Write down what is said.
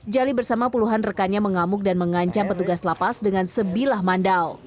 jali bersama puluhan rekannya mengamuk dan mengancam petugas lapas dengan sebilah mandal